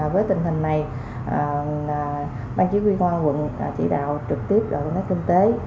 với tình hình này ban chỉ huy hoa quận chỉ đạo trực tiếp đoàn công tác kinh tế